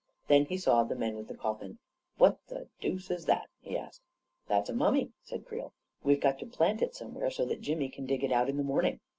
Then he saw the men with the coffin. " What the deuce is that? " he asked 41 That's a mummy," said Creel. " We've got to plant it somewhere so that Jimmy can dig it out in the morning.